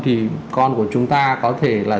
thì con của chúng ta có thể là